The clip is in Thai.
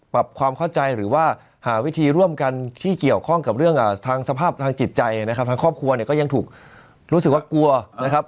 ปรับความเข้าใจหรือว่าหาวิธีร่วมกันที่เกี่ยวข้องกับเรื่องทางสภาพทางจิตใจนะครับทางครอบครัวเนี่ยก็ยังถูกรู้สึกว่ากลัวนะครับ